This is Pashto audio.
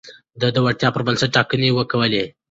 ده د وړتيا پر بنسټ ټاکنې کولې.